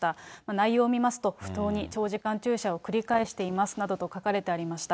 内容を見ますと、不当に長時間駐車を繰り返していますなどと書かれてありました。